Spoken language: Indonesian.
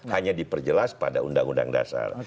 hanya diperjelas pada undang undang dasar